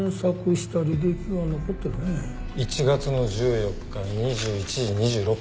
１月の１４日２１時２６分。